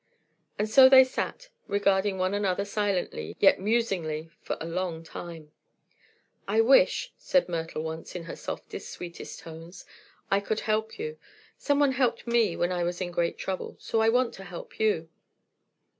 And so they sat, regarding one another silently yet musingly, for a long time. "I wish," said Myrtle once, in her softest, sweetest tones, "I could help you. Some one helped me when I was in great trouble, so I want to help you."